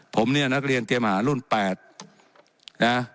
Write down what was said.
ผมเนี่ยนักเรียนเตรียมหารุ่น๘นะ